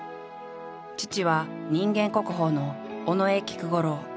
父は人間国宝の尾上菊五郎。